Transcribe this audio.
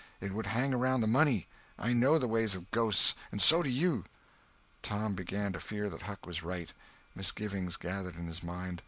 It would hang round the money. I know the ways of ghosts, and so do you." Tom began to fear that Huck was right. Mis givings gathered in his mind.